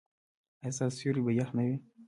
ایا ستاسو سیوري به يخ نه وي؟